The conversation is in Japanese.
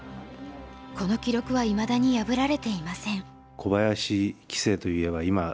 この記録はいまだに破られていません。